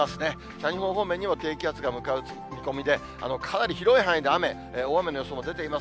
山陽方面にも低気圧が見込みで、かなり広い範囲で雨、大雨の予想も出ています。